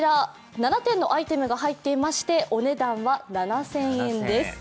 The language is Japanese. ７点のアイテムが入っていまして、お値段は７０００円です。